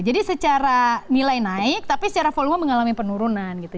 jadi secara nilai naik tapi secara volume mengalami penurunan gitu